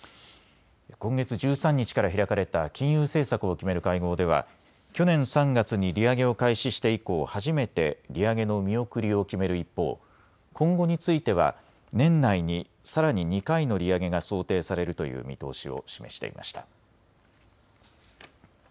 今月１３日から開かれた金融政策を決める会合では去年３月に利上げを開始して以降、初めて利上げの見送りを決める一方、今後については年内にさらに２回の利上げが想定されるという見通しを示していました。